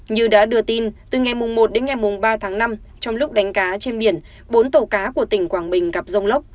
như đã đưa tin từ ngày một đến ngày ba tháng năm trong lúc đánh cá trên biển bốn tàu cá của tỉnh quảng bình gặp rông lốc